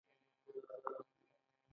هېڅ خبره نه ده که لوی کور او موټر نلرئ.